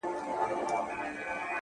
زما د زړه د كـور ډېـوې خلگ خبــري كوي ـ